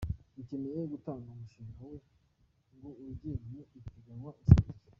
Ukeneye gutanga umushinga we ngo ujye mu ipiganwa asabwa iki ?.